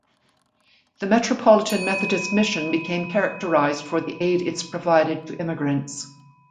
The Metropolitan Methodist Mission became characterized for the aid its provided to immigrants.